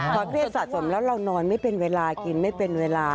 พอเครียดสะสมแล้วเรานอนไม่เป็นเวลากินไม่เป็นเวลา